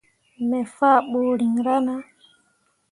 Me fah ɓuriŋ rana.